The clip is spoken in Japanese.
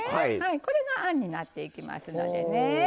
これがあんになっていきますのでね。